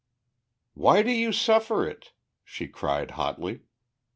"Why do you suffer it?" she cried hotly.